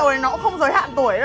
rượu này nó không giới hạn tuổi đâu